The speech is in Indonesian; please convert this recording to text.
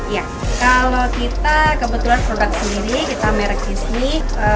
ya kalau kita kebetulan produk sendiri kita merek di sini